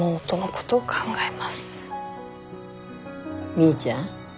みーちゃん？